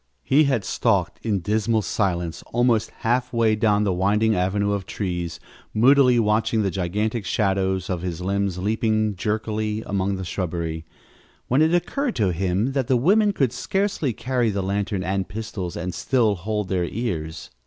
He had stalked, in dismal silence, almost half way down the winding avenue of trees, moodily watching the gigantic shadows of his limbs leaping jerkily among the shrubbery, when it occurred to him that the women could scarcely carry the lantern and pistols and still hold their ears.